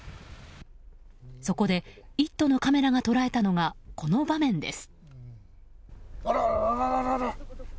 そこで「イット！」のカメラが捉えたのが、この場面です。